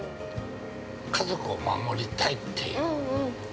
家族を守りたいっていう。